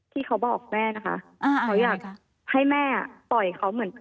ที่เขาบอกแม่นะคะเขาอยากให้แม่ปล่อยเขาเหมือน